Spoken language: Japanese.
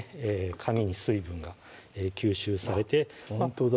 紙に水分が吸収されてほんとだ